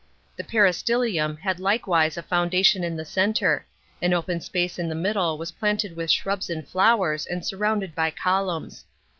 The peristyUnm had likewise a fountain in the centre ; the open space in the middle was planted with shrubs and flowers and surrounded by columns.